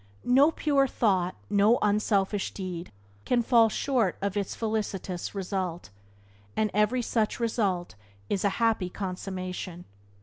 No pure thought, no unselfish deed can fall short of its felicitous result, and every such result is a happy consummation.